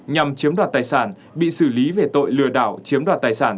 nhằm chiếm đoạt tài sản bị xử lý về tội lừa đảo chiếm đoạt tài sản